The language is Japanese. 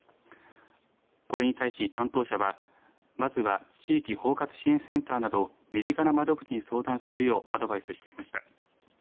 これに対し、担当者はまずは地域包括支援センターなど身近な窓口に相談するようアドバイスしていました。